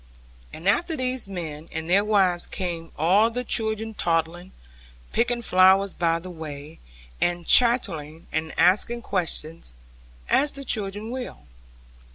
And after these men and their wives came all the children toddling, picking flowers by the way, and chattering and asking questions, as the children will.